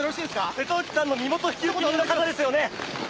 瀬戸内さんの身元引受人の方ですよね？